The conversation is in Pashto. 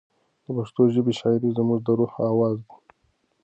د پښتو ژبې شاعري زموږ د روح اواز دی.